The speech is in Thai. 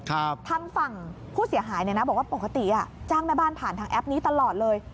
ทางฝั่งผู้เสียหายเนี่ยนะบอกว่าปกติอ่ะจ้างแม่บ้านผ่านทางแอปนี้ตลอดเลย